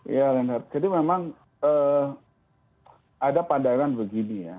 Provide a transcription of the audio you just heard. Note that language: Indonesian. ya reinhard jadi memang ada pandangan begini ya